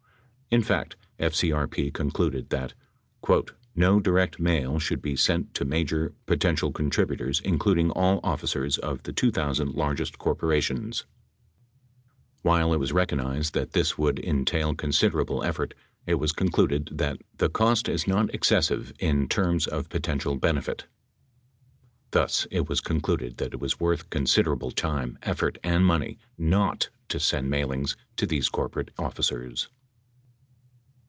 (p. 24.) In fact, FCRP concluded that, "No direct mail should be sent to major poten tial contributors including all officers of the 2,000 largest corpora tions"; while it was recognized that this would entail considerable effort, it was concluded that "the cost is not excessive in terms of potential benefit." (Weed Scott report, p. 16.) Thus, it was concluded that it was worth considerable time, effort, and money not to send mailings to these corporate officers.